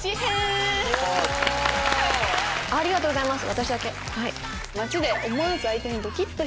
ありがとうございます。